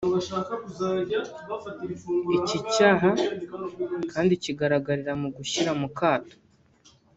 Iki cyaha kandi kigaragarira mu gushyira mu kato